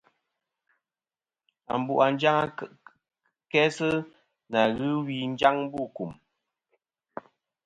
Ambu a njaŋ kæ sɨ nà ghɨ wi njaŋ bu kùm.